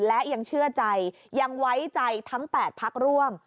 และยังเชื่อใจยังไว้ใจทั้ง๘พักร่วม